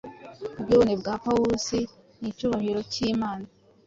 Ubwibone bwa pawusi nicyubahiro cyImana.